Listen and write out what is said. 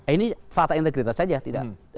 ini fakta integritas saja